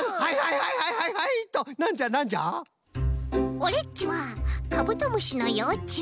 オレっちはカブトムシのようちゅう。